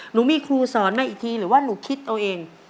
หนูมีครูสอนมาอีกทีหรือว่าหนูคิดเอาเอง